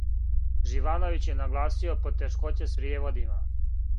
Живановић је нагласио потешкоће с пријеводима.